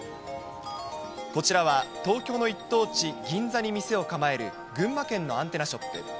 こちらは東京の一等地、銀座に店を構える群馬県のアンテナショップ。